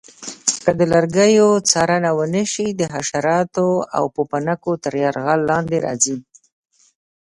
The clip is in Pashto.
که د لرګیو څارنه ونه شي د حشراتو او پوپنکو تر یرغل لاندې راځي.